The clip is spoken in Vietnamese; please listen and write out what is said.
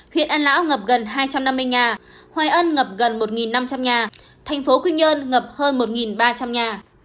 huyện an lão ngập gần hai trăm năm mươi nhà hoài ân ngập gần một năm trăm linh nhà thành phố quy nhơn ngập hơn một ba trăm linh nhà